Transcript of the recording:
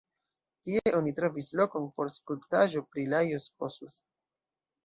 Tie oni trovis lokon por skulptaĵo pri Lajos Kossuth.